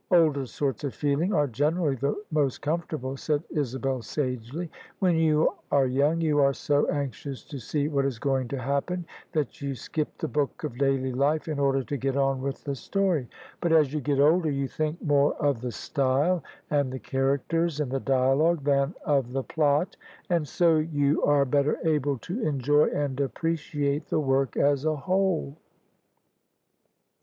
" Older sorts of feeling are generally the most comfort able," said Isabel sagely. " When you are young, you are so anxious to see what is going to happen, that you skip the book of daily life in order to get on with the story: but as you get older, you think more of the style and the characters and the dialogue than of the plot; and so you OF ISABEL CARNABY are better able to enjoy and appreciate the work as a whole."